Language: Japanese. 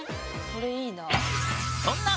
これいいなあ。